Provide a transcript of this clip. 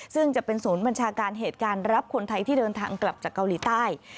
ซึ่งจะเป็นศูนย์บัญชาการเหตุการณ์รับคนไทยที่เดินทางกลับจากเกาหลีใต้